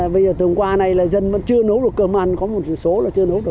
bây giờ tuần qua này là dân vẫn chưa nấu được cơm ăn có một chỉ số là chưa nấu được